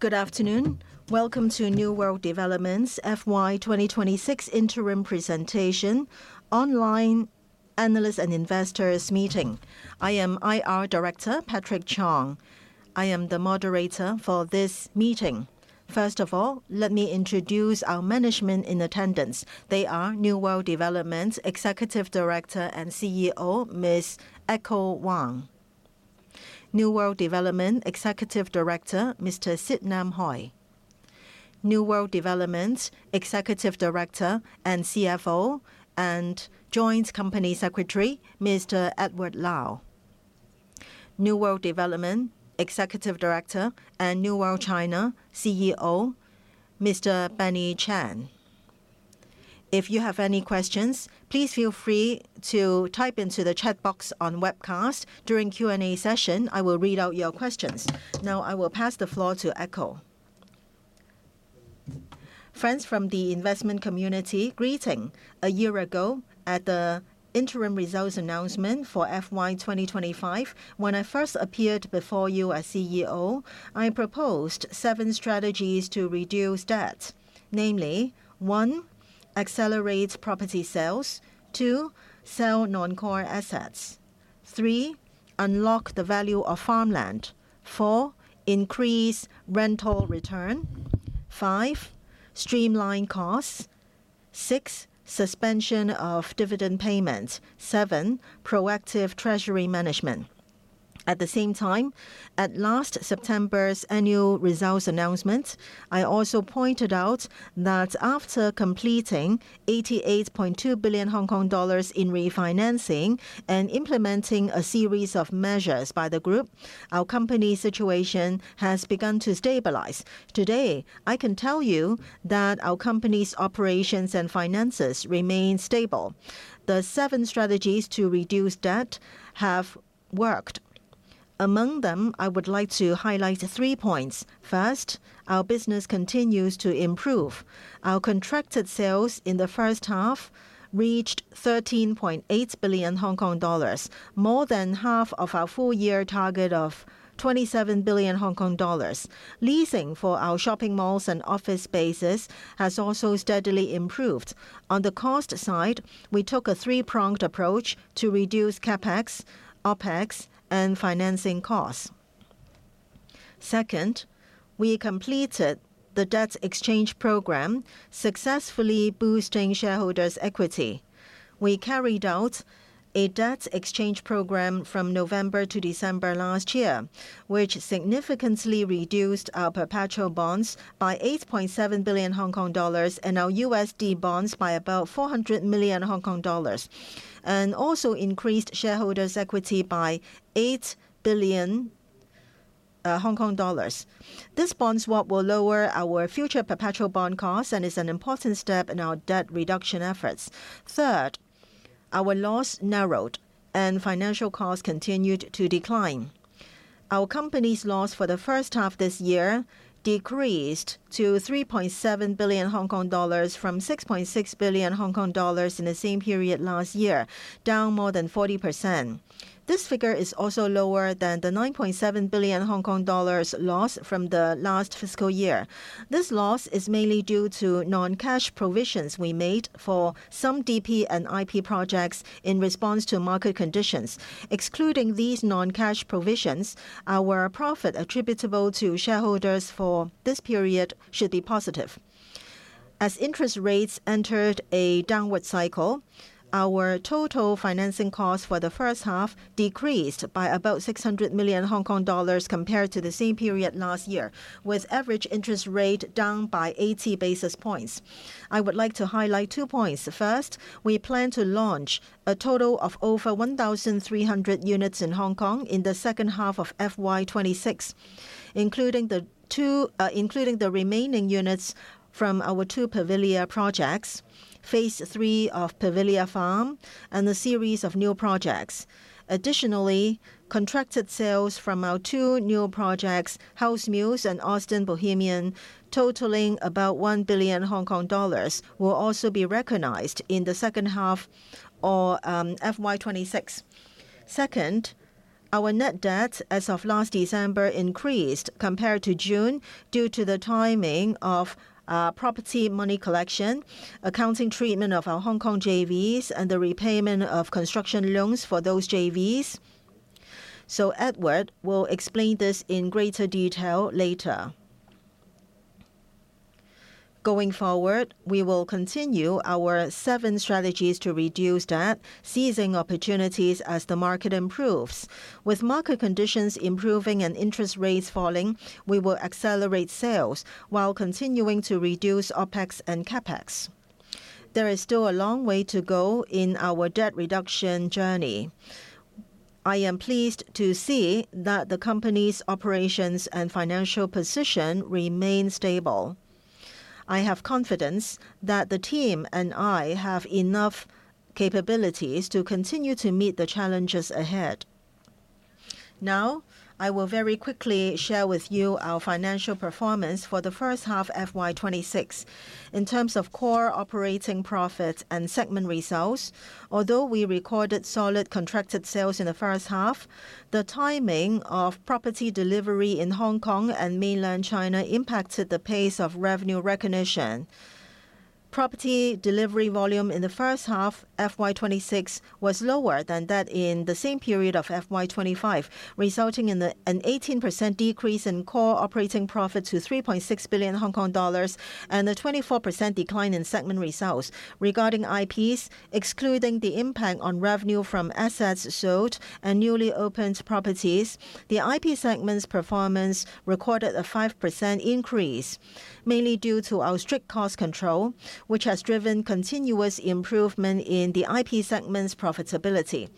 Good afternoon. Welcome to New World Development's FY 2026 Interim Presentation Online Analysts and Investors Meeting. I am IR Director, Patrick Chong. I am the moderator for this meeting. First of all, let me introduce our management in attendance. They are New World Development Executive Director and CEO, Ms. Echo Huang. New World Development Executive Director, Mr. Sitt Nam-Hoi. New World Development Executive Director and CFO and Joint Company Secretary, Mr. Edward Lau. New World Development Executive Director and New World China CEO, Mr. Benny Chan. If you have any questions, please feel free to type into the chat box on webcast. During Q&A session, I will read out your questions. Now I will pass the floor to Echo. Friends from the investment community, greeting. A year ago, at the interim results announcement for FY 2025, when I first appeared before you as CEO, I proposed seven strategies to reduce debt. Namely, one, accelerate property sales. Two, sell non-core assets. Three, unlock the value of farmland. Four, increase rental return. Five, streamline costs. Six, suspension of dividend payments. Seven, proactive treasury management. At the same time, at last September's annual results announcement, I also pointed out that after completing 88.2 billion Hong Kong dollars in refinancing and implementing a series of measures by the group, our company's situation has begun to stabilize. Today, I can tell you that our company's operations and finances remain stable. The seven strategies to reduce debt have worked. Among them, I would like to highlight the three points. First, our business continues to improve. Our contracted sales in the first half reached 13.8 billion Hong Kong dollars, more than half of our full year target of 27 billion Hong Kong dollars. Leasing for our shopping malls and office spaces has also steadily improved. On the cost side, we took a three-pronged approach to reduce CapEx, OpEx, and financing costs. Second, we completed the debt exchange program, successfully boosting shareholders' equity. We carried out a debt exchange program from November to December last year, which significantly reduced our perpetual bonds by 8.7 billion Hong Kong dollars and our USD bonds by about 400 million Hong Kong dollars, and also increased shareholders' equity by 8 billion Hong Kong dollars. This bond swap will lower our future perpetual bond costs and is an important step in our debt reduction efforts. Third, our loss narrowed and financial costs continued to decline. Our company's loss for the first half this year decreased to 3.7 billion Hong Kong dollars from 6.6 billion Hong Kong dollars in the same period last year, down more than 40%. This figure is also lower than the 9.7 billion Hong Kong dollars loss from the last fiscal year. This loss is mainly due to non-cash provisions we made for some DP and IP projects in response to market conditions. Excluding these non-cash provisions, our profit attributable to shareholders for this period should be positive. As interest rates entered a downward cycle, our total financing cost for the first half decreased by about 600 million Hong Kong dollars compared to the same period last year, with average interest rate down by 80 basis points. I would like to highlight two points. First, we plan to launch a total of over 1,300 units in Hong Kong in the second half of FY 2026, including the remaining units from our two Pavilia Projects, phase III of The Pavilia Farm, and a series of new projects. Contracted sales from our two new projects, HOUSE MUSE and AUSTIN BOHEMIAN, totaling about 1 billion Hong Kong dollars, will also be recognized in the second half or FY 2026. Second, our net debt as of last December increased compared to June due to the timing of property money collection, accounting treatment of our Hong Kong JVs, and the repayment of construction loans for those JVs. Edward will explain this in greater detail later. Going forward, we will continue our seven strategies to reduce debt, seizing opportunities as the market improves. With market conditions improving and interest rates falling, we will accelerate sales while continuing to reduce OpEx and CapEx. There is still a long way to go in our debt reduction journey. I am pleased to see that the company's operations and financial position remain stable. I have confidence that the team and I have enough capabilities to continue to meet the challenges ahead. Now, I will very quickly share with you our financial performance for the first half, FY 26. In terms of core operating profits and segment results, although we recorded solid contracted sales in the first half, the timing of property delivery in Hong Kong and Mainland China impacted the pace of revenue recognition. Property delivery volume in the first half FY26 was lower than that in the same period of FY25, resulting in an 18% decrease in core operating profit to 3.6 billion Hong Kong dollars and a 24% decline in segment results. Regarding IPs, excluding the impact on revenue from assets sold and newly opened properties, the IP segment's performance recorded a 5% increase, mainly due to our strict cost control, which has driven continuous improvement in the IP segment's profitability.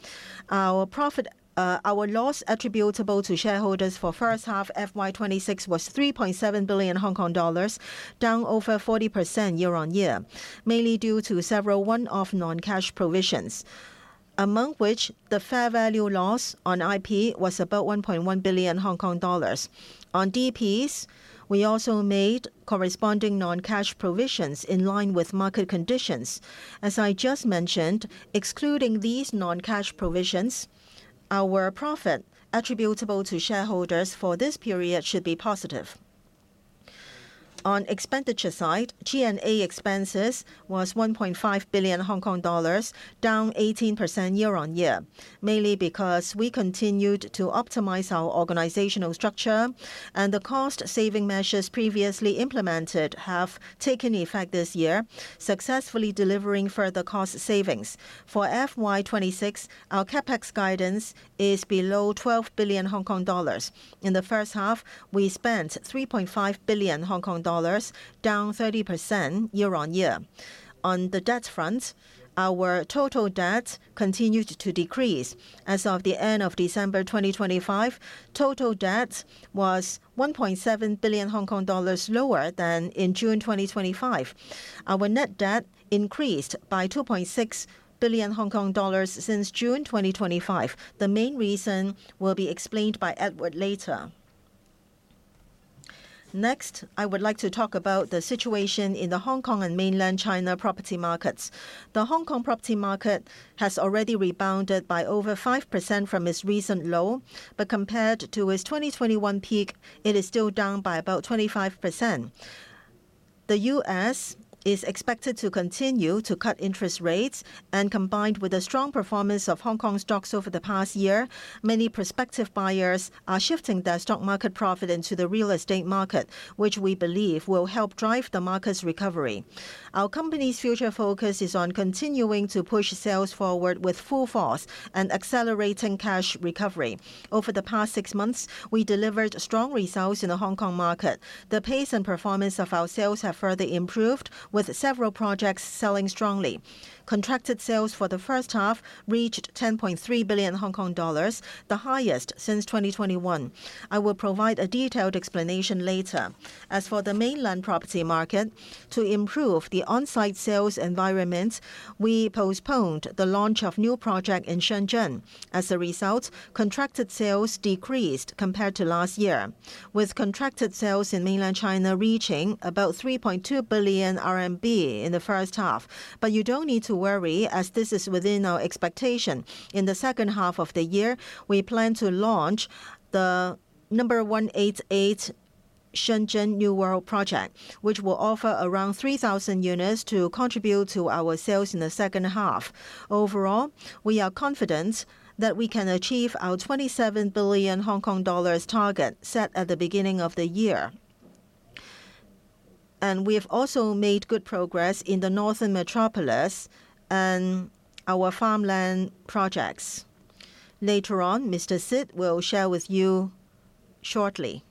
Our loss attributable to shareholders for first half FY 2026 was 3.7 billion Hong Kong dollars, down over 40% year-on-year, mainly due to several one-off non-cash provisions. Among which, the fair value loss on IP was about 1.1 billion Hong Kong dollars. On DPs, we also made corresponding non-cash provisions in line with market conditions. As I just mentioned, excluding these non-cash provisions, our profit attributable to shareholders for this period should be positive. On expenditure side, G&A expenses was HKD 1.5 billion, down 18% year-on-year, mainly because we continued to optimize our organizational structure and the cost-saving measures previously implemented have taken effect this year, successfully delivering further cost savings. For FY 2026, our CapEx guidance is below 12 billion Hong Kong dollars. In the first half, we spent 3.5 billion Hong Kong dollars, down 30% year-on-year. On the debt front, our total debt continued to decrease. As of the end of December 2025, total debt was 1.7 billion Hong Kong dollars lower than in June 2025. Our net debt increased by 2.6 billion Hong Kong dollars since June 2025. The main reason will be explained by Edward later. Next, I would like to talk about the situation in the Hong Kong and Mainland China property markets. The Hong Kong property market has already rebounded by over 5% from its recent low, but compared to its 2021 peak, it is still down by about 25%. The U.S. is expected to continue to cut interest rates. Combined with the strong performance of Hong Kong stocks over the past year, many prospective buyers are shifting their stock market profit into the real estate market, which we believe will help drive the market's recovery. Our company's future focus is on continuing to push sales forward with full force and accelerating cash recovery. Over the past six months, we delivered strong results in the Hong Kong market. The pace and performance of our sales have further improved, with several projects selling strongly. Contracted sales for the first half reached 10.3 billion Hong Kong dollars, the highest since 2021. I will provide a detailed explanation later. As for the Mainland property market, to improve the on-site sales environment, we postponed the launch of new project in Shenzhen. As a result, contracted sales decreased compared to last year, with contracted sales in mainland China reaching about 3.2 billion RMB in the first half. You don't need to worry, as this is within our expectation. In the second half of the year, we plan to launch the Shenzhen New World 188 Project, which will offer around 3,000 units to contribute to our sales in the second half. Overall, we are confident that we can achieve our 27 billion Hong Kong dollars target set at the beginning of the year. We have also made good progress in the Northern Metropolis and our farmland projects. Later on, Mr. Sitt will share with you shortly.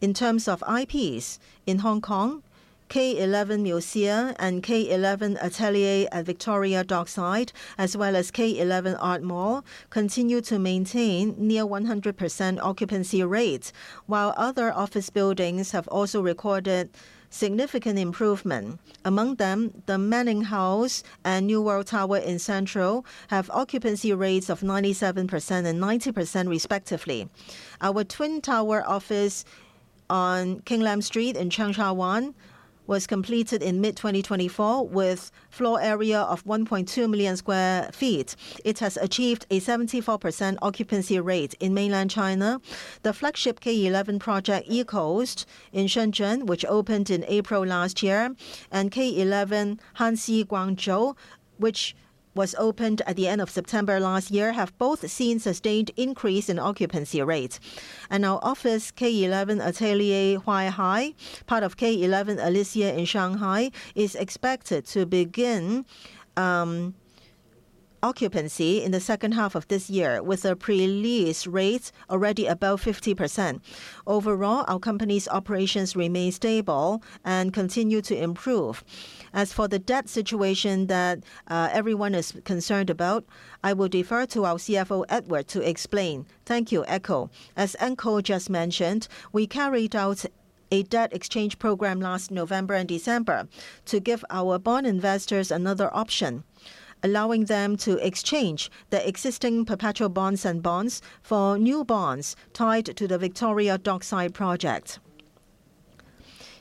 In terms of IPs in Hong Kong, K11 MUSEA and K11 ATELIER at Victoria Dockside, as well as K11 Art Mall, continue to maintain near 100% occupancy rates, while other office buildings have also recorded significant improvement. Among them, the Manning House and New World Tower in Central have occupancy rates of 97% and 90% respectively. Our twin tower office on King Lam Street in Cheung Sha Wan was completed in mid 2024 with floor area of 1.2 million sq ft. It has achieved a 74% occupancy rate. In mainland China, the flagship K11 project, K11 ECOAST, in Shenzhen, which opened in April last year, and K11 Hanxi Guangzhou, which was opened at the end of September last year, have both seen sustained increase in occupancy rates. Our office, K11 ATELIER Huaihai, part of K11 ELYSEA in Shanghai, is expected to begin occupancy in the second half of this year with a pre-lease rate already above 50%. Overall, our company's operations remain stable and continue to improve. As for the debt situation that everyone is concerned about, I will defer to our CFO, Edward, to explain. Thank you, Echo. As Echo just mentioned, we carried out a debt exchange program last November and December to give our bond investors another option, allowing them to exchange the existing perpetual bonds and bonds for new bonds tied to the Victoria Dockside project.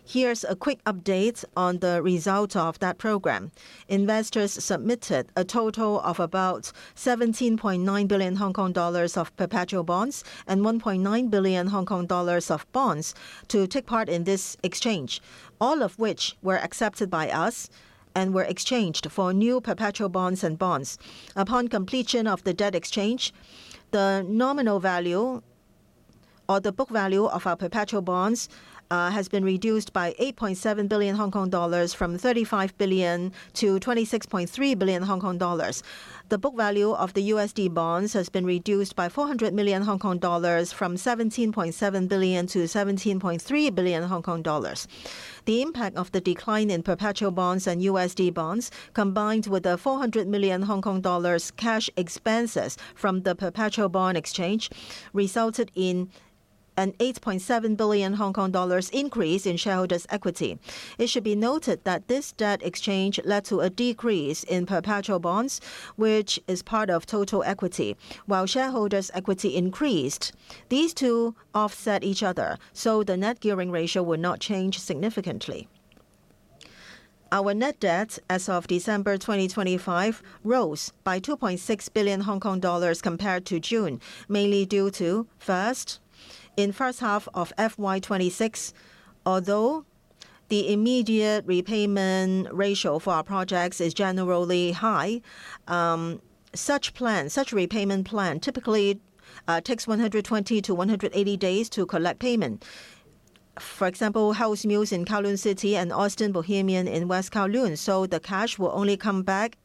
Here's a quick update on the result of that program. Investors submitted a total of about 17.9 billion Hong Kong dollars of perpetual bonds and 1.9 billion Hong Kong dollars of bonds to take part in this exchange, all of which were accepted by us and were exchanged for new perpetual bonds and bonds. Upon completion of the debt exchange, the nominal value or the book value of our perpetual bonds has been reduced by 8.7 billion Hong Kong dollars from 35 billion to 26.3 billion Hong Kong dollars. The book value of the USD bonds has been reduced by 400 million Hong Kong dollars from 17.7 billion to 17.3 billion Hong Kong dollars. The impact of the decline in perpetual bonds and USD bonds, combined with the 400 million Hong Kong dollars cash expenses from the perpetual bond exchange, resulted in an 8.7 billion Hong Kong dollars increase in shareholders' equity. It should be noted that this debt exchange led to a decrease in perpetual bonds, which is part of total equity, while shareholders' equity increased. These two offset each other. The net gearing ratio will not change significantly. Our net debt as of December 2025 rose by 2.6 billion Hong Kong dollars compared to June, mainly due to, first, in first half of FY26, although the immediate repayment ratio for our projects is generally high, such repayment plan typically takes 120-180 days to collect payment. For example, HOUSE MUSE in Kowloon City and AUSTIN BOHEMIAN in West Kowloon, so the cash will only come back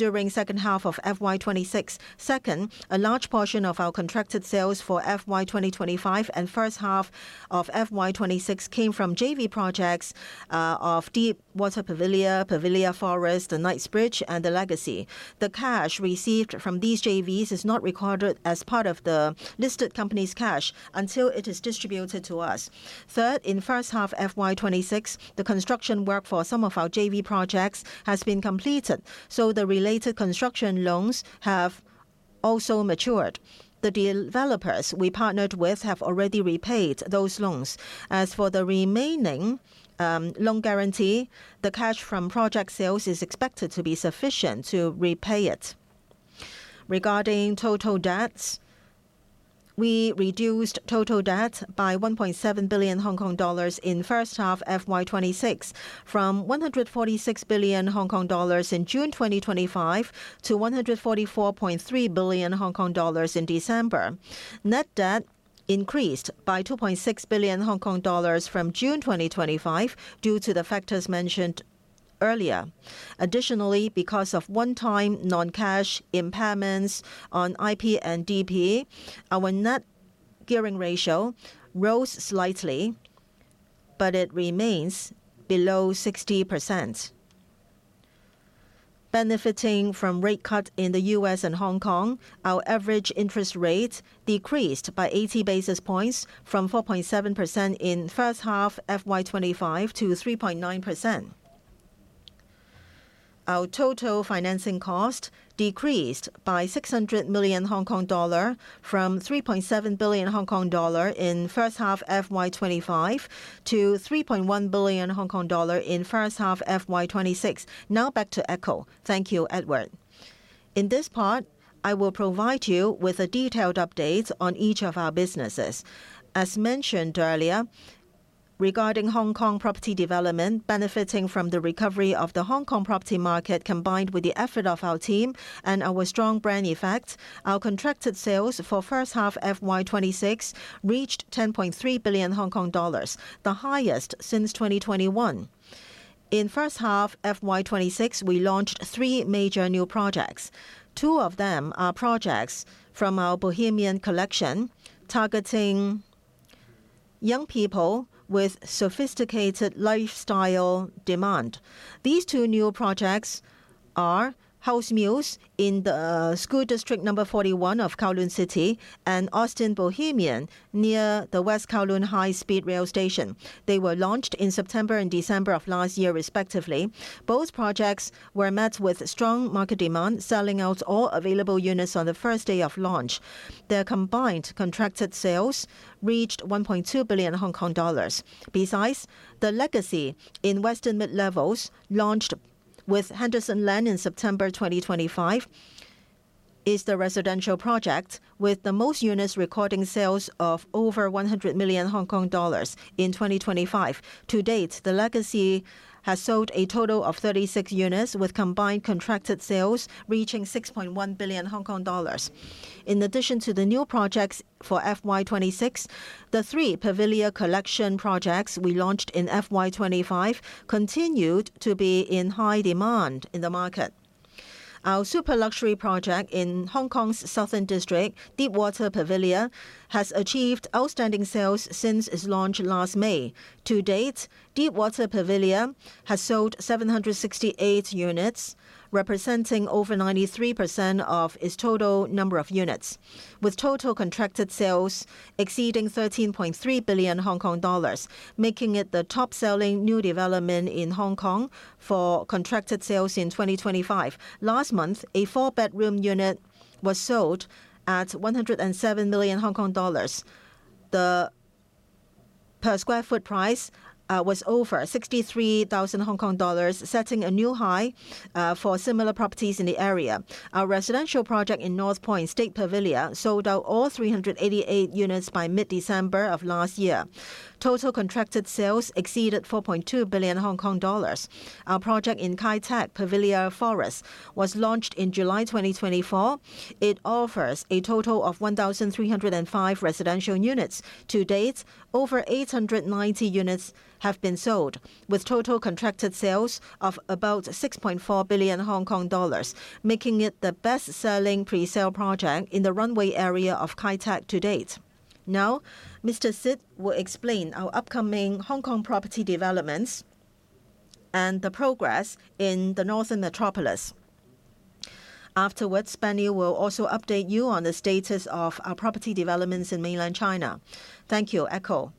during second half of FY 2026. Second, a large portion of our contracted sales for FY 2025 and first half of FY 2026 came from JV projects of DEEP WATER PAVILIA, Pavilia Forest, The Knightsbridge, and The Legacy. The cash received from these JVs is not recorded as part of the listed company's cash until it is distributed to us. Third, in first half FY 2026, the construction work for some of our JV projects has been completed, the related construction loans have also matured. The developers we partnered with have already repaid those loans. As for the remaining loan guarantee, the cash from project sales is expected to be sufficient to repay it. Regarding total debts, we reduced total debt by 1.7 billion Hong Kong dollars in first half FY 2026 from 146 billion Hong Kong dollars in June 2025 to 144.3 billion Hong Kong dollars in December. Net debt increased by 2.6 billion Hong Kong dollars from June 2025 due to the factors mentioned earlier. Additionally, because of one-time non-cash impairments on IP and DP, our net gearing ratio rose slightly, but it remains below 60%. Benefiting from rate cut in the U.S. and Hong Kong, our average interest rate decreased by 80 basis points from 4.7% in first half FY 2025 to 3.9%. Our total financing cost decreased by 600 million Hong Kong dollar from 3.7 billion Hong Kong dollar in first half FY 2025 to 3.1 billion Hong Kong dollar in first half FY 2026. Now back to Echo. Thank you, Edward. In this part, I will provide you with the detailed updates on each of our businesses. As mentioned earlier, regarding Hong Kong property development, benefiting from the recovery of the Hong Kong property market, combined with the effort of our team and our strong brand effects, our contracted sales for first half FY 2026 reached 10.3 billion Hong Kong dollars, the highest since 2021. In first half FY 2026, we launched three major new projects. Two of them are projects from our Bohemian Collection, targeting young people with sophisticated lifestyle demand. These two new projects are HOUSE MUSE in the School District number 41 of Kowloon City and AUSTIN BOHEMIAN near the West Kowloon High Speed Rail Station. They were launched in September and December of last year, respectively. Both projects were met with strong market demand, selling out all available units on the first day of launch. Their combined contracted sales reached 1.2 billion Hong Kong dollars besides, The Legacy in Mid-Levels West, launched with Henderson Land in September 2025, is the residential project with the most units recording sales of over 100 million Hong Kong dollars in 2025. To date, The Legacy has sold a total of 36 units with combined contracted sales reaching 6.1 billion Hong Kong dollars. In addition to the new projects for FY 2026, the 3 PAVILIA COLLECTION projects we launched in FY 2025 continued to be in high demand in the market. Our super luxury project in Hong Kong's Southern District, DEEP WATER PAVILIA, has achieved outstanding sales since its launch last May. To date, DEEP WATER PAVILIA has sold 768 units, representing over 93% of its total number of units, with total contracted sales exceeding 13.3 billion Hong Kong dollars, making it the top-selling new development in Hong Kong for contracted sales in 2025. Last month, a 4-bedroom unit was sold at 107 million Hong Kong dollars. The per square foot price was over 63,000 Hong Kong dollars, setting a new high for similar properties in the area. Our residential project in North Point, State Pavilla, sold out all 388 units by mid-December of last year. Total contracted sales exceeded 4.2 billion Hong Kong dollars. Our project Kai Tak Pavilla Forest launched in July 2024. It offers a total of 1,305 residential units. To date, over 890 units have been sold, with total contracted sales of about 6.4 billion Hong Kong dollars, making it the best-selling presale project in the runway area of Kai Tak to date. Mr. Sitt will explain our upcoming Hong Kong property developments and the progress in the Northern Metropolis. Afterwards, Benny will also update you on the status of our property developments in mainland China. Thank you, Echo.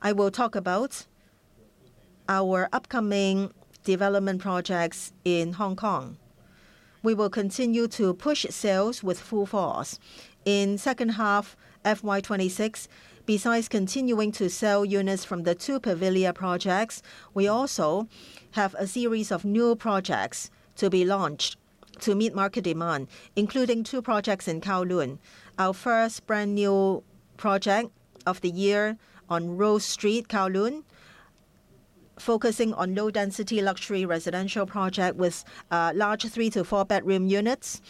I will talk about our upcoming development projects in Hong Kong. We will continue to push sales with full force. In second half FY26, besides continuing to sell units from the 2 Pavilia projects, we also have a series of new projects to be launched to meet market demand, including 2 projects in Kowloon. Our first brand-new project of the year on Rose Street, Kowloon, focusing on low-density luxury residential project with large 3 to 4 bedroom units.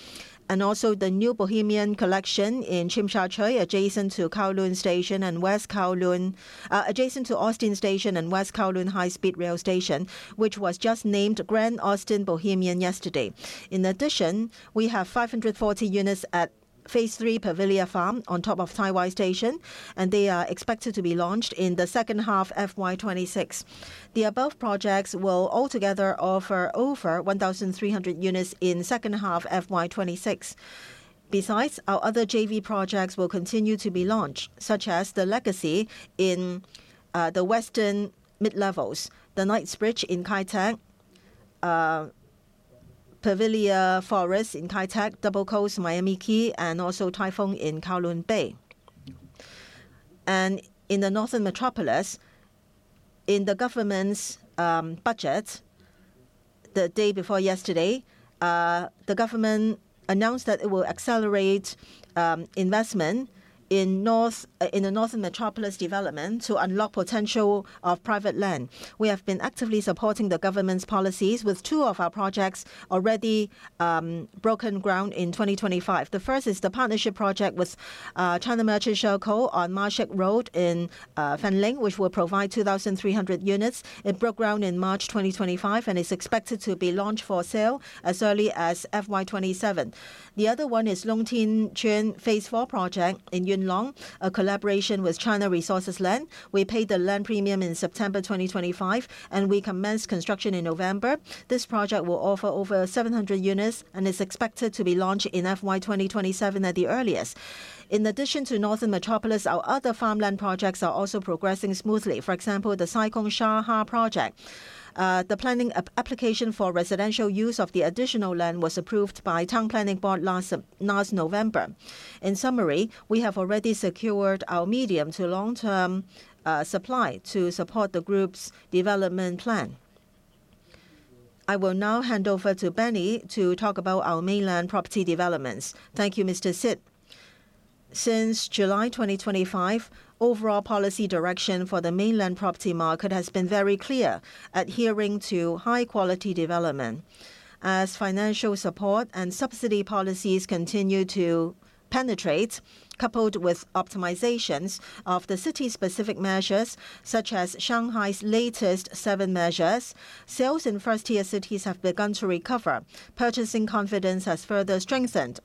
Also the new Bohemian Collection in Tsim Sha Tsui, adjacent to Austin Station and West Kowloon High Speed Rail Station, which was just named GRAND AUSTIN BOHEMIAN yesterday. In addition, we have 540 units at phase III, Pavilia Farm, on top of Tai Wai Station, and they are expected to be launched in the second half FY26. The above projects will altogether offer over 1,300 units in second half FY26. Besides, our other JV projects will continue to be launched, such as The Legacy in the western mid-levels, The Knightsbridge in Kai Tak, The Pavilia Forest in Kai Tak, Double Coast MIAMI QUAY, and also Tai Fung in Kowloon Bay. In the Northern Metropolis, in the government's budget the day before yesterday, the government announced that it will accelerate investment in the Northern Metropolis development to unlock potential of private land. We have been actively supporting the government's policies with two of our projects already broken ground in 2025. The first is the partnership project with China Merchants Shekou on Ma Sik Road in Fanling, which will provide 2,300 units. It broke ground in March 2025, and is expected to be launched for sale as early as FY27. The other one is Lung Tin Tsuen phase IV project in Yuen Long, a collaboration with China Resources Land. We paid the land premium in September 2025, and we commenced construction in November. This project will offer over 700 units and is expected to be launched in FY2027 at the earliest. In addition to Northern Metropolis, our other farmland projects are also progressing smoothly. For example, the Sai Kung Sha Ha project. The planning application for residential use of the additional land was approved by Town Planning Board last November. In summary, we have already secured our medium to long-term supply to support the group's development plan. I will now hand over to Benny to talk about our mainland property developments. Thank you, Mr. Sitt. Since July 2025, overall policy direction for the mainland property market has been very clear, adhering to high-quality development. As financial support and subsidy policies continue to penetrate, coupled with optimizations of the city's specific measures, such as Shanghai's latest seven measures, sales in first-tier cities have begun to recover. Purchasing confidence has further strengthened.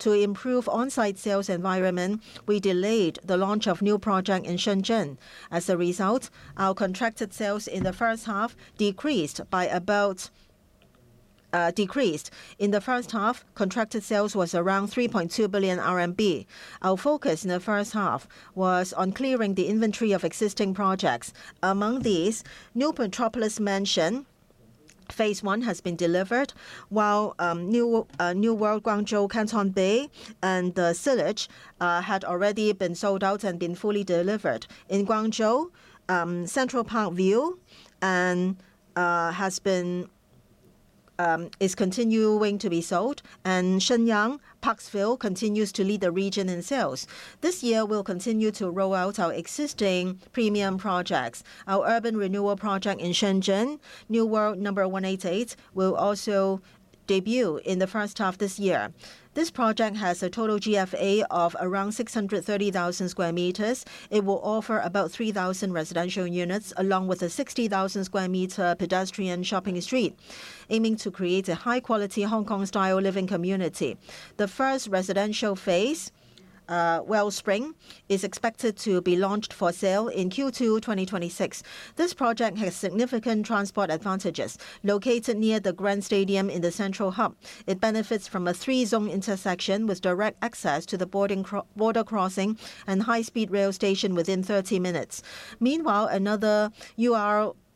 To improve on-site sales environment, we delayed the launch of new project in Shenzhen. As a result, our contracted sales in the first half decreased. In the first half, contracted sales was around 3.2 billion RMB. Our focus in the first half was on clearing the inventory of existing projects. Among these, New Metropolis Mansion Phase I has been delivered, while New World Guangzhou Canton Bay and The Sillage had already been sold out and been fully delivered. In Guangzhou, Central Park View is continuing to be sold and Shenyang Parksville continues to lead the region in sales. This year we'll continue to roll out our existing premium projects. Our urban renewal project in Shenzhen New World 188, will also debut in the first half this year. This project has a total GFA of around 630,000 square meters. It will offer about 3,000 residential units along with a 60,000 square meter pedestrian shopping street, aiming to create a high-quality Hong Kong style living community. The first residential phase Wellspring is expected to be launched for sale in Q2 2026. This project has significant transport advantages. Located near the Grand Stadium in the central hub, it benefits from a three-zone intersection with direct access to the border crossing and high-speed rail station within 30 minutes. Meanwhile, another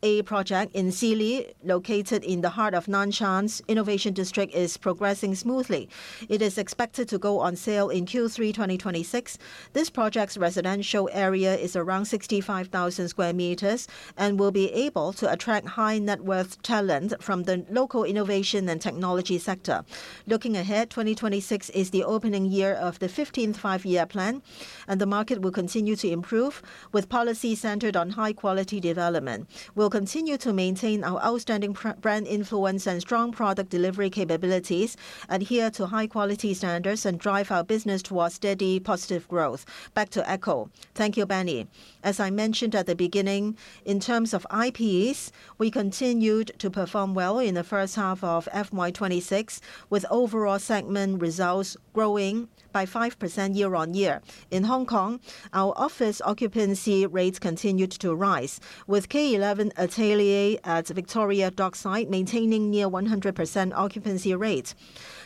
URA project in Xili, located in the heart of Nanshan's innovation district, is progressing smoothly. It is expected to go on sale in Q3 2026. This project's residential area is around 65,000 square meters and will be able to attract high net worth talent from the local innovation and technology sector. Looking ahead, 2026 is the opening year of the 15th Five-Year Plan. The market will continue to improve with policy centered on high quality development. We'll continue to maintain our outstanding brand influence and strong product delivery capabilities, adhere to high quality standards, and drive our business towards steady positive growth. Back to Echo. Thank you, Benny. As I mentioned at the beginning, in terms of IPs, we continued to perform well in the first half of FY 26, with overall segment results growing by 5% year-on-year. In Hong Kong, our office occupancy rates continued to rise, with K11 ATELIER at Victoria Dockside maintaining near 100% occupancy rate.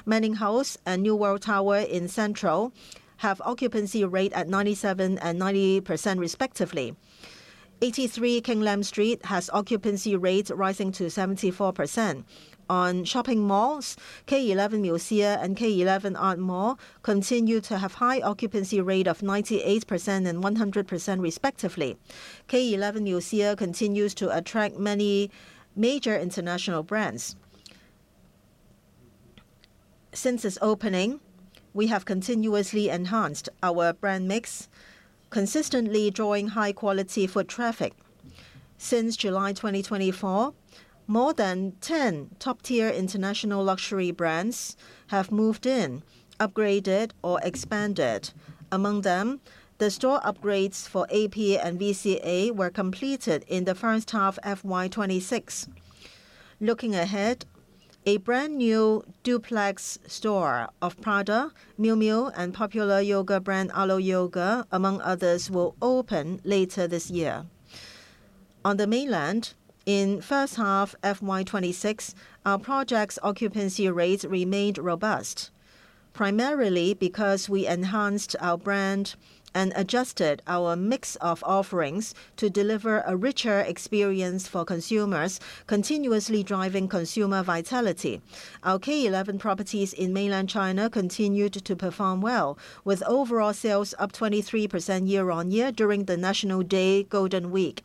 Manning House and New World Tower in Central have occupancy rate at 97% and 90% respectively. 83 King Lam Street has occupancy rates rising to 74%. On shopping malls, K11 MUSEA and K11 ATELIER continue to have high occupancy rate of 98% and 100% respectively. K11 MUSEA continues to attract many major international brands. Since its opening, we have continuously enhanced our brand mix, consistently drawing high quality foot traffic. Since July 2024, more than 10 top-tier international luxury brands have moved in, upgraded or expanded. Among them, the store upgrades for AP and VCA were completed in the first half of FY 2026. Looking ahead, a brand new duplex store of Prada, Miu Miu, and popular yoga brand Alo Yoga, among others, will open later this year. On the Mainland, in first half FY 2026, our projects occupancy rates remained robust, primarily because we enhanced our brand and adjusted our mix of offerings to deliver a richer experience for consumers, continuously driving consumer vitality. Our K11 properties in Mainland China continued to perform well, with overall sales up 23% year-on-year during the National Day Golden Week.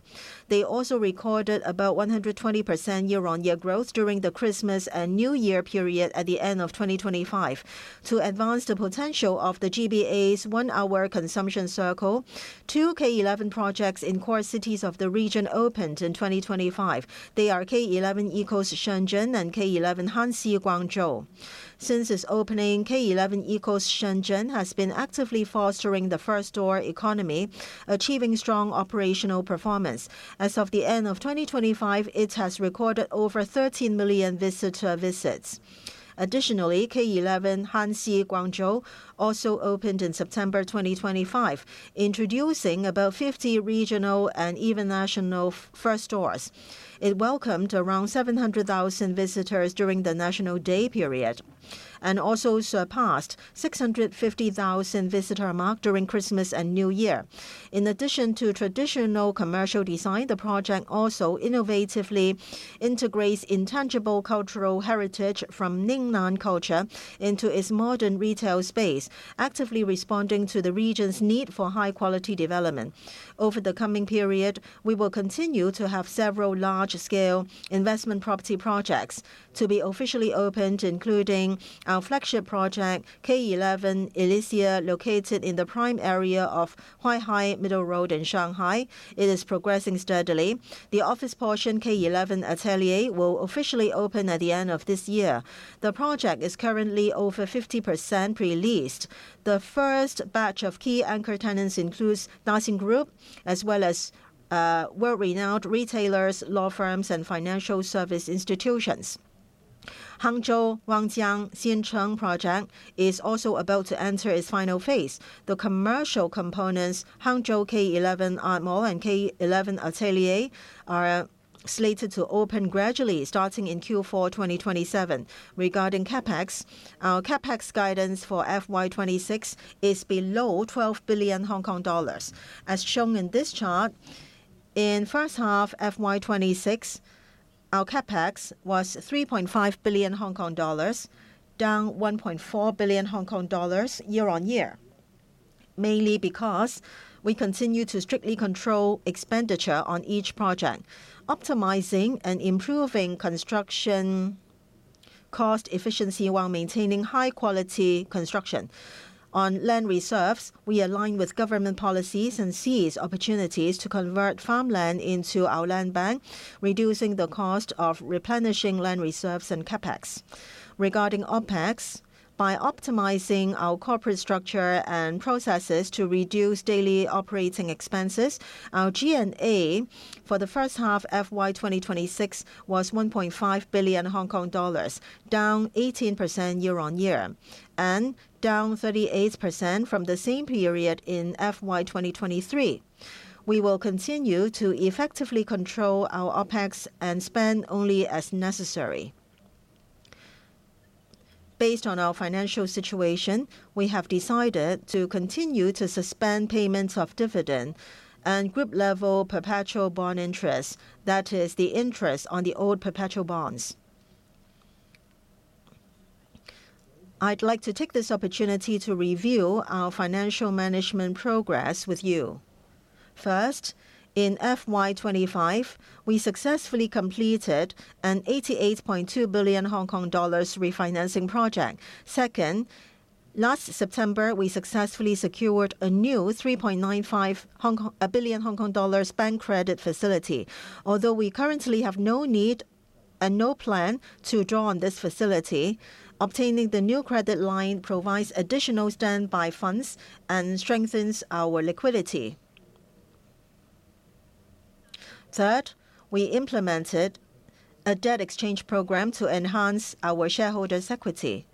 They also recorded about 120% year-on-year growth during the Christmas and New Year period at the end of 2025. To advance the potential of the GBA's one hour consumption circle, two K11 projects in core cities of the region opened in 2025. They are K11 ECOAST Shenzhen and K11 Hanxi Guangzhou. Since its opening, K11 ECOAST Shenzhen has been actively fostering the first store economy, achieving strong operational performance. As of the end of 2025, it has recorded over 13 million visitor visits. K11 Hanxi Guangzhou also opened in September 2025, introducing about 50 regional and even national first stores. It welcomed around 700,000 visitors during the National Day period and also surpassed 650,000 visitor mark during Christmas and New Year. In addition to traditional commercial design, the project also innovatively integrates intangible cultural heritage from Lingnan culture into its modern retail space, actively responding to the region's need for high quality development. Over the coming period, we will continue to have several large-scale investment property projects to be officially opened, including our flagship project K11 ELYSEA, located in the prime area of Huaihai Middle Road in Shanghai. It is progressing steadily. The office portion, K11 ATELIER, will officially open at the end of this year. The project is currently over 50% pre-leased. The first batch of key anchor tenants includes Daxing Group, as well as world-renowned retailers, law firms and financial service institutions. Hangzhou Wangjiang Xincheng project is also about to enter its final phase. The commercial components, Hangzhou K11 Art Mall and K11 ATELIER are slated to open gradually starting in Q4 2027. Regarding CapEx, our CapEx guidance for FY 2026 is below 12 billion Hong Kong dollars. As shown in this chart, in first half FY 2026, our CapEx was 3.5 billion Hong Kong dollars, down 1.4 billion Hong Kong dollars year-on-year, mainly because we continue to strictly control expenditure on each project, optimizing and improving construction cost efficiency while maintaining high quality construction. On land reserves, we align with government policies and seize opportunities to convert farmland into our land bank, reducing the cost of replenishing land reserves and CapEx. Regarding OpEx, by optimizing our corporate structure and processes to reduce daily operating expenses, our G&A for the first half FY 2026 was 1.5 billion Hong Kong dollars, down 18% year-on-year, and down 38% from the same period in FY 2023. We will continue to effectively control our OpEx and spend only as necessary. Based on our financial situation, we have decided to continue to suspend payments of dividend and Group level perpetual bond interest. That is the interest on the old perpetual bonds. I'd like to take this opportunity to review our financial management progress with you. First, in FY 2025, we successfully completed an 88.2 billion Hong Kong dollars refinancing project. Second, last September, we successfully secured a new 3.95 billion Hong Kong dollars bank credit facility. Although we currently have no need and no plan to draw on this facility, obtaining the new credit line provides additional standby funds and strengthens our liquidity. Third, we implemented a debt exchange program to enhance our shareholders' equity.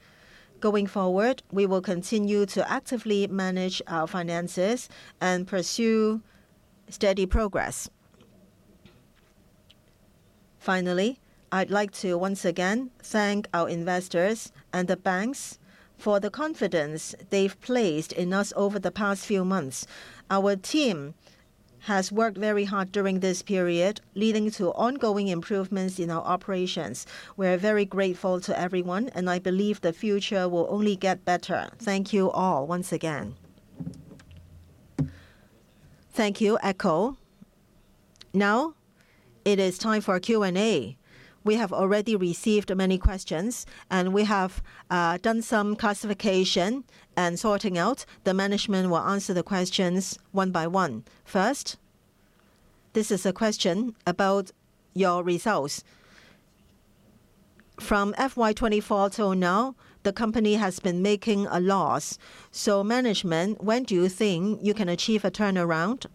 Going forward, we will continue to actively manage our finances and pursue steady progress. Finally, I'd like to once again thank our investors and the banks for the confidence they've placed in us over the past few months. Our team has worked very hard during this period, leading to ongoing improvements in our operations. We are very grateful to everyone, and I believe the future will only get better. Thank you all once again. Thank you, Echo. Now, it is time for Q&A. We have already received many questions, and we have done some classification and sorting out. The management will answer the questions one by one. First, this is a question about your results. From FY 2024 till now, the company has been making a loss. Management, when do you think you can achieve a turnaround?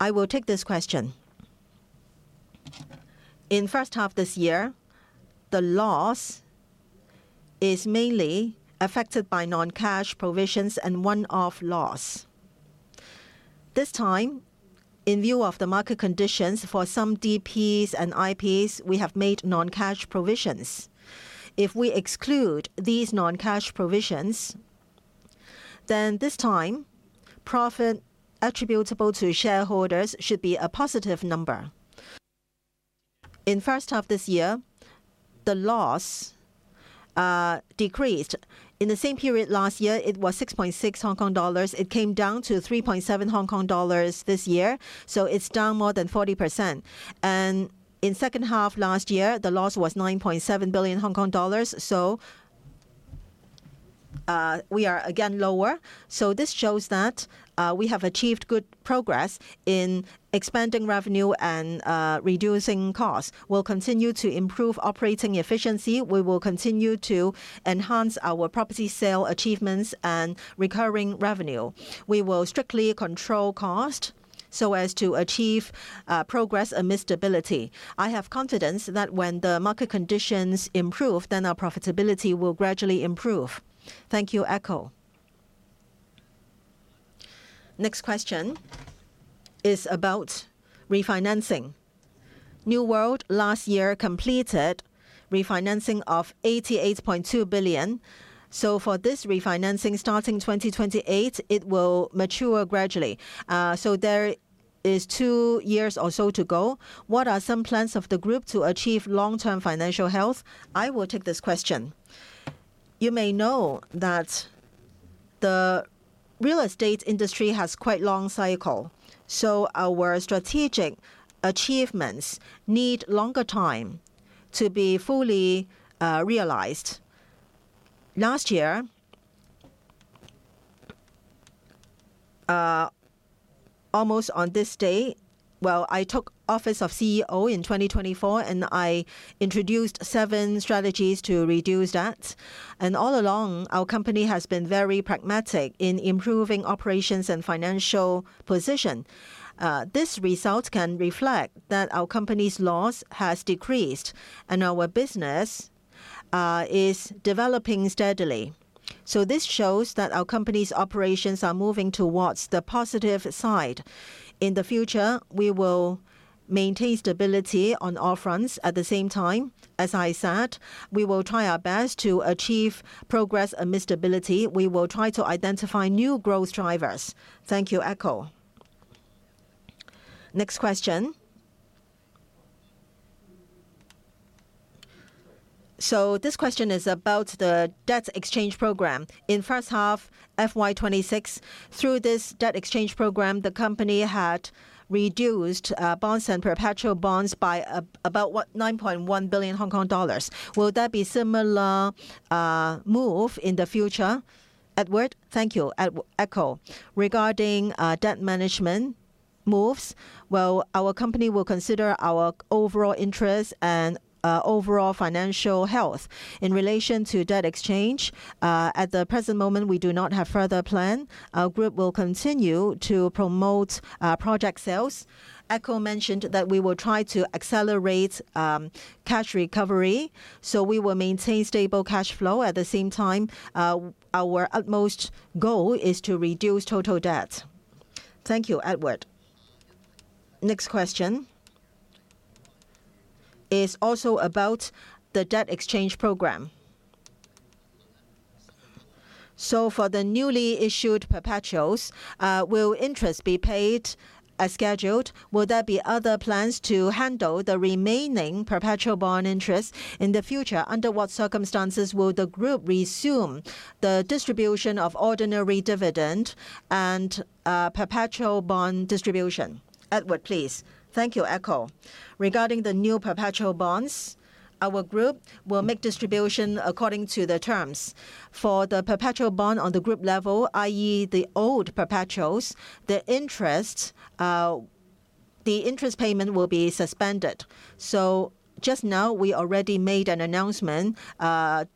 I will take this question. In first half this year, the loss is mainly affected by non-cash provisions and one-off loss. This time, in view of the market conditions for some DPs and IPs, we have made non-cash provisions. If we exclude these non-cash provisions, then this time, profit attributable to shareholders should be a positive number. In first half this year, the loss decreased. In the same period last year, it was 6.6. It came down to 3.7 Hong Kong dollars this year. It's down more than 40%. In second half last year, the loss was 9.7 billion Hong Kong dollars. We are again lower. This shows that we have achieved good progress in expanding revenue and reducing costs. We'll continue to improve operating efficiency. We will continue to enhance our property sale achievements and recurring revenue. We will strictly control cost so as to achieve progress and stability. I have confidence that when the market conditions improve, then our profitability will gradually improve. Thank you, Echo. Next question is about refinancing. New World last year completed refinancing of 88.2 billion. For this refinancing starting 2028, it will mature gradually. There is 2 years or so to go. What are some plans of the group to achieve long-term financial health? I will take this question. You may know that the real estate industry has quite long cycle, so our strategic achievements need longer time to be fully realized. Last year, almost on this day, well, I took office of CEO in 2024, and I introduced 7 strategies to reduce debt. All along, our company has been very pragmatic in improving operations and financial position. This result can reflect that our company's loss has decreased and our business is developing steadily. This shows that our company's operations are moving towards the positive side. In the future, we will maintain stability on all fronts. At the same time, as I said, we will try our best to achieve progress and stability. We will try to identify new growth drivers. Thank you, Echo. Next question. This question is about the debt exchange program. In first half, FY 2026, through this debt exchange program, the company had reduced bonds and perpetual bonds by about 9.1 billion Hong Kong dollars. Will there be similar move in the future. Edward? Thank you, Echo. Regarding debt management moves, well, our company will consider our overall interest and overall financial health. In relation to debt exchange, at the present moment, we do not have further plan. Our group will continue to promote project sales. Echo mentioned that we will try to accelerate cash recovery, so we will maintain stable cash flow. At the same time, our utmost goal is to reduce total debt. Thank you, Edward. Next question is also about the debt exchange program. For the newly issued perpetuals, will interest be paid as scheduled? Will there be other plans to handle the remaining perpetual bond interest in the future? Under what circumstances will the group resume the distribution of ordinary dividend and perpetual bond distribution? Edward, please. Thank you, Echo. Regarding the new perpetual bonds, our group will make distribution according to the terms. For the perpetual bond on the group level, i.e., the old perpetuals, the interest, the interest payment will be suspended. Just now we already made an announcement via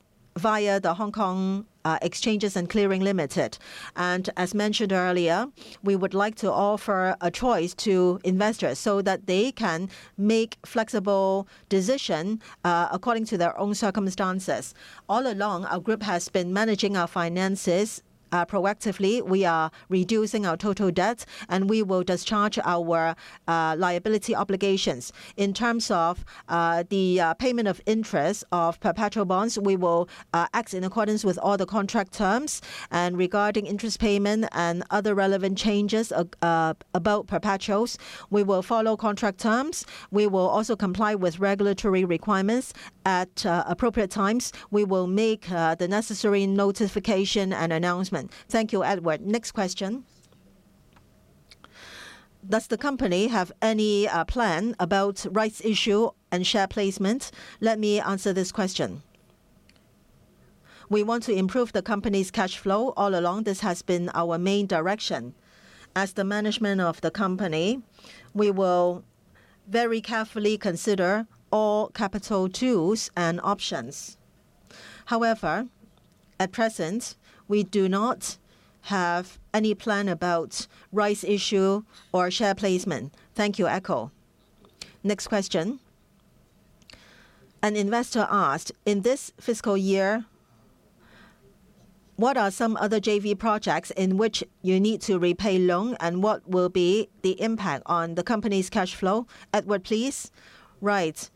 the Hong Kong Exchanges and Clearing Limited. As mentioned earlier, we would like to offer a choice to investors so that they can make flexible decision according to their own circumstances. All along, our group has been managing our finances proactively. We are reducing our total debt. We will discharge our liability obligations. In terms of the payment of interest of perpetual bonds, we will act in accordance with all the contract terms. Regarding interest payment and other relevant changes about perpetuals, we will follow contract terms. We will also comply with regulatory requirements. At appropriate times, we will make the necessary notification and announcement. Thank you, Edward. Next question. Does the company have any plan about rights issue and share placement? Let me answer this question. We want to improve the company's cash flow. All along this has been our main direction. As the management of the company, we will very carefully consider all capital tools and options. However, at present, we do not have any plan about rights issue or share placement. Thank you, Echo. Next question. An investor asked, "In this fiscal year, what are some other JV projects in which you need to repay loan, and what will be the impact on the company's cash flow?" Edward, please. Right.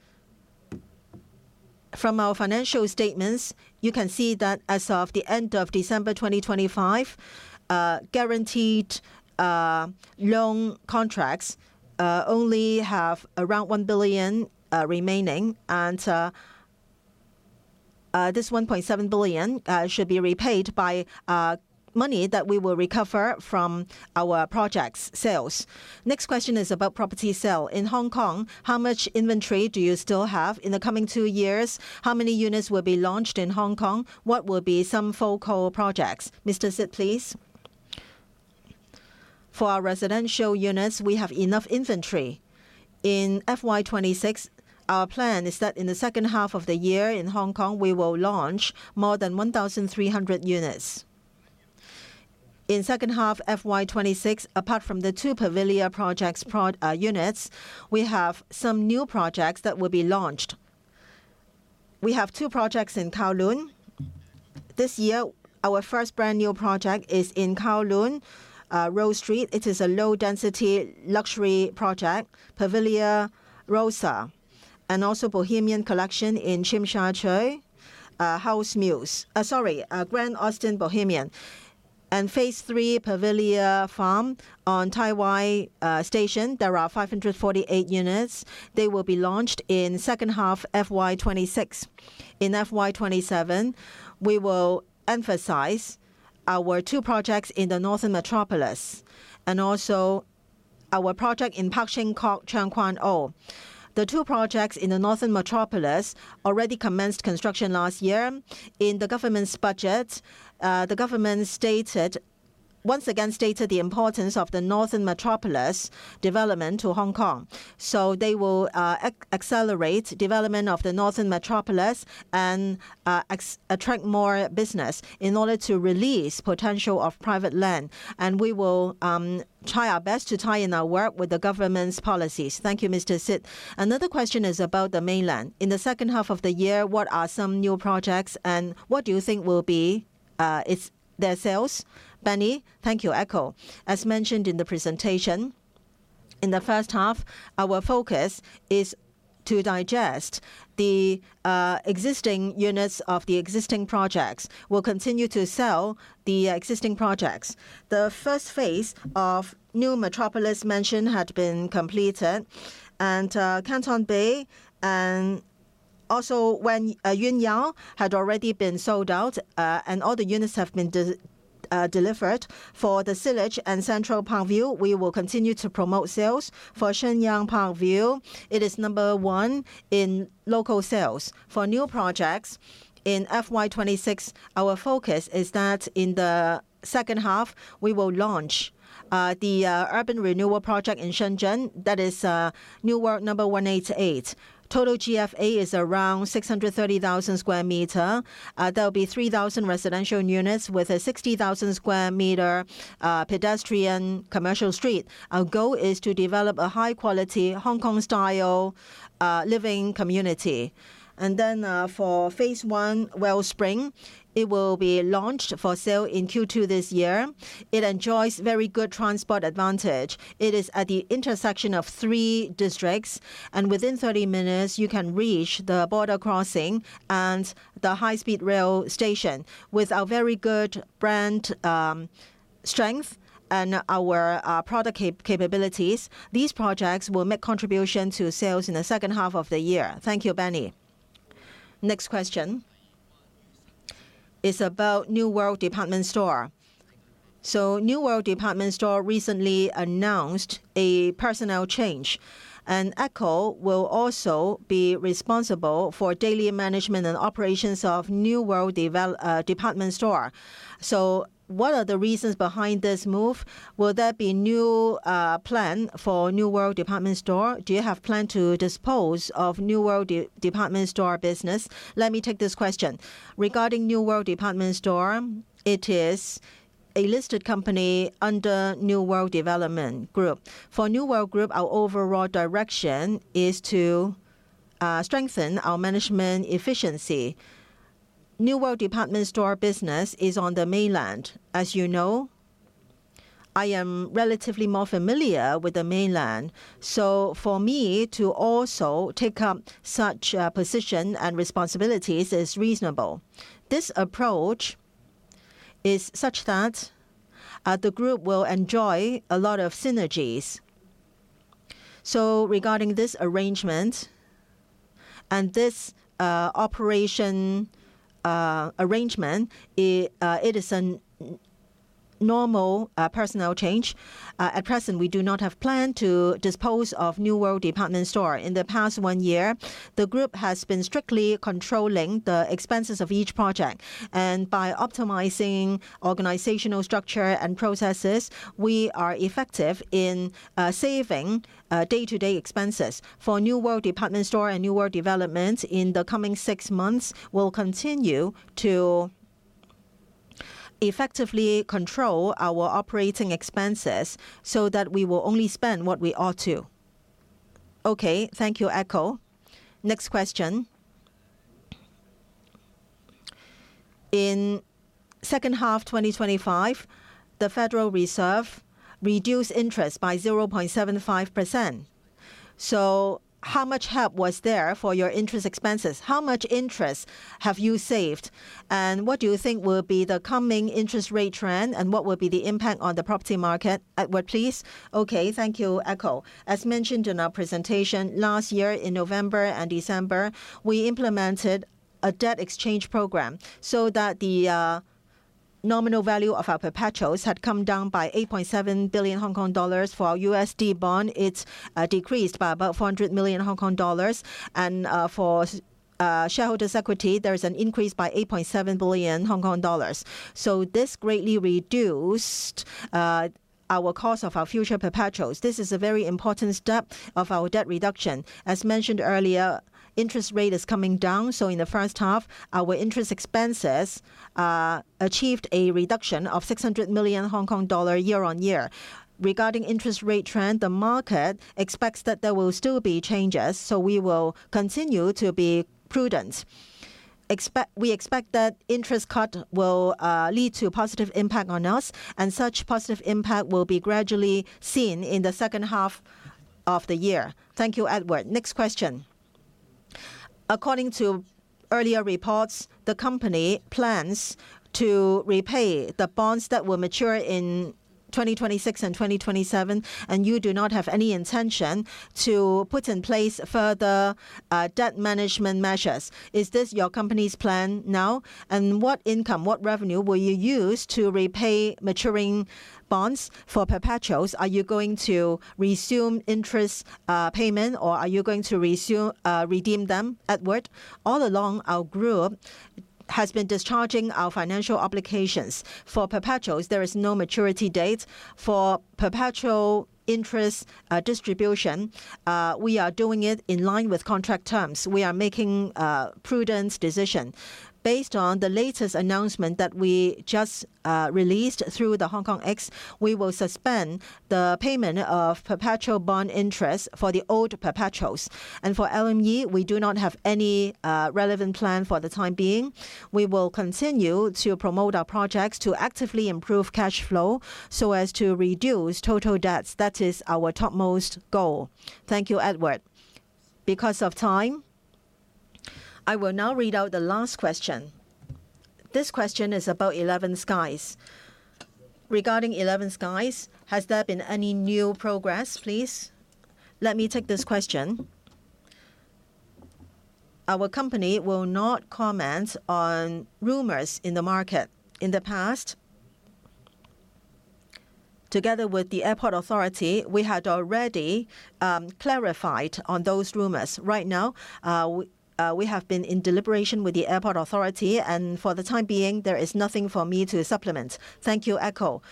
From our financial statements, you can see that as of the end of December 2025, guaranteed loan contracts only have around 1 billion remaining. This 1.7 billion should be repaid by money that we will recover from our projects' sales. Next question is about property sale. In Hong Kong, how much inventory do you still have? In the coming 2 years, how many units will be launched in Hong Kong? What will be some focal projects? Mr. Sitt please. For our residential units, we have enough inventory. In FY 2026, our plan is that in the second half of the year in Hong Kong, we will launch more than 1,300 units. In second half FY 2026, apart from the 2 Pavilia projects prod units, we have some new projects that will be launched. We have 2 projects in Kowloon. This year, our first brand-new project is in Kowloon, Rose Street. It is a low-density luxury project, PAVILIA ROSA. Also Bohemian Collection in Tsim Sha Tsui, HOUSE MUSE. Sorry, GRAND AUSTIN BOHEMIAN and Phase III, Pavilia Farm on Tai Wai Station, there are 548 units. They will be launched in second half FY 2026. In FY 2027, we will emphasize our 2 projects in the Northern Metropolis, and also our project in Pak Shing Kok, Tseung Kwan O. The two projects in the Northern Metropolis already commenced construction last year. In the government's budget, the government stated once again the importance of the Northern Metropolis development to Hong Kong. They will accelerate development of the Northern Metropolis and attract more business in order to release potential of private land. We will try our best to tie in our work with the government's policies. Thank you, Mr. Sitt Another question is about the mainland. In the second half of the year, what are some new projects, and what do you think will be their sales? Benny? Thank you, Echo Wong. As mentioned in the presentation, in the first half, our focus is to digest the existing units of the existing projects. We'll continue to sell the existing projects. The first phase of NEW METROPOLIS MANSION had been completed and New World Canton Bay and also Yun Yao had already been sold out, and all the units have been delivered. For The Sillage and Central Park View, we will continue to promote sales. For Shenyang Park View, it is number 1 in local sales. For new projects, in FY 2026, our focus is that in the second half, we will launch the urban renewal project in Shenzhen, that is, Shenzhen New World 188. Total GFA is around 630,000 square meter. There'll be 3,000 residential units with a 60,000 square meter pedestrian commercial street. Our goal is to develop a high-quality Hong Kong-style living community. For phase one, Wellspring, it will be launched for sale in Q2 this year. It enjoys very good transport advantage. It is at the intersection of 3 districts, within 30 minutes, you can reach the border crossing and the high-speed rail station. With our very good brand strength and our product capabilities, these projects will make contribution to sales in the second half of the year. Thank you, Benny. Next question. It's about New World Department Store. New World Department Store recently announced a personnel change, and Echo will also be responsible for daily management and operations of New World Department Store. What are the reasons behind this move? Will there be new plan for New World Department Store? Do you have plan to dispose of New World Department Store business? Let me take this question. Regarding New World Department Store, it is a listed company under New World Development Group. For New World Group, our overall direction is to strengthen our management efficiency. New World Department Store business is on the Mainland. As you know, I am relatively more familiar with the Mainland, so for me to also take up such a position and responsibilities is reasonable. This approach is such that the group will enjoy a lot of synergies. Regarding this arrangement and this operation arrangement, it is a normal personnel change. At present, we do not have plan to dispose of New World Department Store. In the past one year, the group has been strictly controlling the expenses of each project. By optimizing organizational structure and processes, we are effective in saving day-to-day expenses. For New World Department Store and New World Development, in the coming six months, we'll continue to effectively control our operating expenses so that we will only spend what we ought to. Okay. Thank you, Echo. Next question. In second half 2025, the Federal Reserve reduced interest by 0.75%. How much help was there for your interest expenses? How much interest have you saved, and what do you think will be the coming interest rate trend, and what will be the impact on the property market? Edward, please? Okay. Thank you, Echo. As mentioned in our presentation, last year in November and December, we implemented a debt exchange program so that the nominal value of our perpetuals had come down by 8.7 billion Hong Kong dollars. For our USD bond, it's decreased by about 400 million Hong Kong dollars. For shareholders' equity, there's an increase by 8.7 billion Hong Kong dollars. This greatly reduced our cost of our future perpetuals. This is a very important step of our debt reduction. As mentioned earlier, interest rate is coming down, in the first half, our interest expenses achieved a reduction of 600 million Hong Kong dollar year-on-year. Regarding interest rate trend, the market expects that there will still be changes, so we will continue to be prudent. We expect that interest cut will lead to positive impact on us, and such positive impact will be gradually seen in the second half of the year. Thank you, Edward. Next question. According to earlier reports, the company plans to repay the bonds that will mature in 2026 and 2027. You do not have any intention to put in place further debt management measures. Is this your company's plan now? What income, what revenue will you use to repay maturing bonds for perpetuals? Are you going to resume interest payment, or are you going to redeem them? Edward? All along, our group has been discharging our financial obligations. For perpetuals, there is no maturity date. For perpetual interest distribution, we are doing it in line with contract terms. We are making prudence decision. Based on the latest announcement that we just released through the HKEX, we will suspend the payment of perpetual bond interest for the old perpetuals. For LME, we do not have any relevant plan for the time being. We will continue to promote our projects to actively improve cash flow so as to reduce total debts. That is our topmost goal. Thank you, Edward. Because of time, I will now read out the last question. This question is about 11 SKIES. Regarding 11 SKIES, has there been any new progress, please? Let me take this question. Our company will not comment on rumors in the market. In the past, together with the Airport Authority, we had already clarified on those rumors. Right now, we have been in deliberation with the Airport Authority, and for the time being, there is nothing for me to supplement. Thank you, Echo.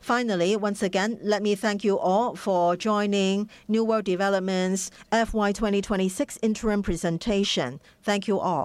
Finally, once again, let me thank you all for joining New World Developments FY 2026 Interim Presentation. Thank you, all.